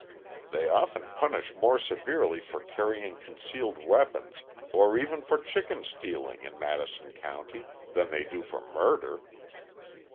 They often punish more severely for carrying concealed weapons or even for chicken stealing in Madison County than they do for murder."